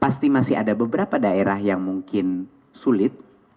pasti masih ada beberapa daerah yang mungkin sulit